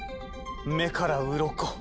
目からうろこ。